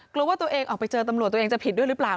กลัวว่าตัวเองออกไปเจอตำรวจตัวเองจะผิดด้วยหรือเปล่า